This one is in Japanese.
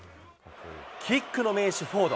キックの名手、フォード。